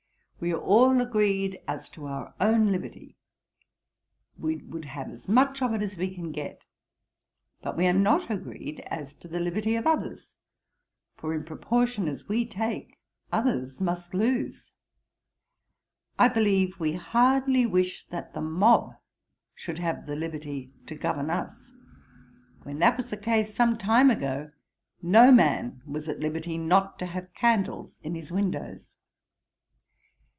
We are all agreed as to our own liberty; we would have as much of it as we can get; but we are not agreed as to the liberty of others: for in proportion as we take, others must lose. I believe we hardly wish that the mob should have liberty to govern us. When that was the case some time ago, no man was at liberty not to have candles in his windows.'